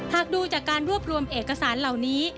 หากดูจากการรวบรวมเอกสารเหล่านี้